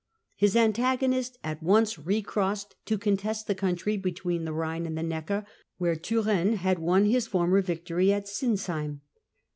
His antagonist at once recrossed to contest the country between the Rhine and the Necker, where Turenne had won his former victory at Sinsheim.